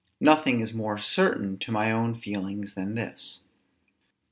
Nothing is more certain to my own feelings than this.